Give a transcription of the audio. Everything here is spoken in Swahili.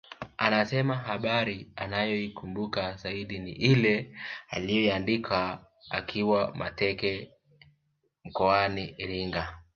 Anasema habari anayoikumbuka zaidi ni ile aliyoiandika akiwa Makete mkoani Iringa